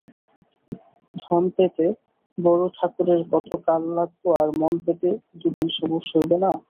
ধন পেতে বড়োঠাকুরের কত কাল লাগল আর মন পেতে দুদিন সবুর সইবে না?